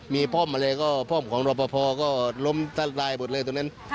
มีพ่อมอะไรก็พ่อมของเราพอก็ลมทันรายหมดเลยตรงนั้น